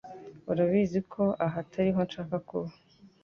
Urabizi ko aha atariho nshaka kuba